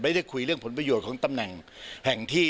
ได้คุยเรื่องผลประโยชน์ของตำแหน่งแห่งที่